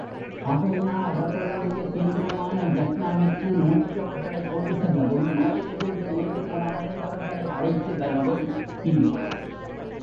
ஆகையினால் அவர்களுடைய கேந்திரமான ஜஃப்னா விற்கு நோயுற்றவர்களைக் கொண்டு செல்லவும், நோயிலிருந்து மீண்டு குணமடைந்தவர்களை அழைத்துவரவும் கி.